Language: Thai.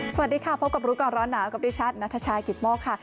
สวัสดีค่ะพบกับรู้ก่อนร้อนหนาวกับดิฉันนัทชายกิตโมกค่ะ